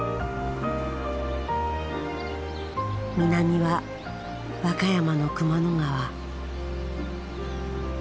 南は和歌山の熊野川。